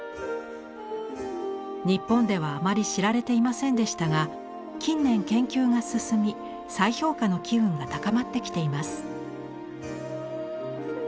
日本ではあまり知られていませんでしたが近年研究が進み再評価の機運が高まってきています。